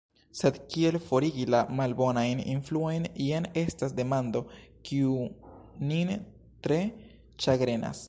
Sed kiel forigi la malbonajn influojn, jen estas demando, kiu nin tre ĉagrenas